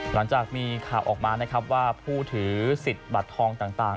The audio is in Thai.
หลังจากมีข่าวออกมานะครับว่าผู้ถือสิทธิ์บัตรทองต่าง